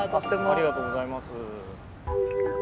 ありがとうございます。